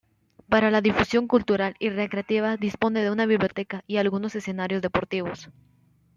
Para la difusión cultural y recreativa dispone de una biblioteca y algunos escenarios deportivos.